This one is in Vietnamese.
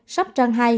sắp trang hai